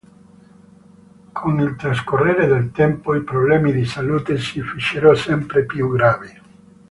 Con il trascorrere del tempo i problemi di salute si fecero sempre più gravi.